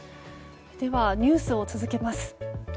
ニュースを続けます。